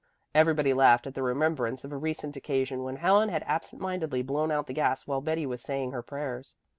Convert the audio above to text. Everybody laughed at the remembrance of a recent occasion when Helen had absent mindedly blown out the gas while Betty was saying her prayers.